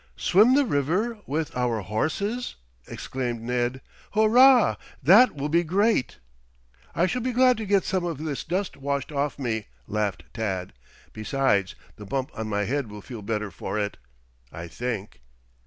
"Swim the river with our horses?" exclaimed Ned. "Hurrah! That will be great!" "I shall be glad to get some of this dust washed off me," laughed Tad. "Besides, the bump on my head will feel better for it, I think."